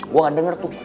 gue gak denger tuh